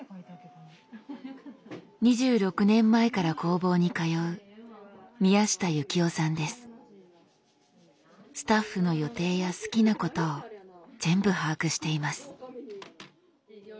２６年前から工房に通うスタッフの予定や好きなことを全部把握しています。